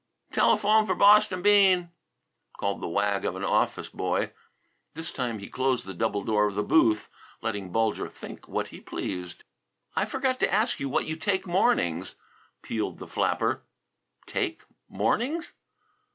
"Telephone for Boston Bean," called the wag of an office boy. This time he closed the double door of the booth, letting Bulger think what he pleased. "I forgot to ask what you take, mornings," pealed the flapper. "Take mornings?"